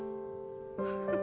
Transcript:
フフフ。